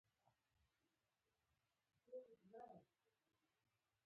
هر چارواکي د خپل کار ځواب وايي.